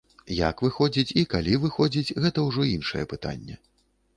Як выходзіць і калі выходзіць гэта ўжо іншае пытанне.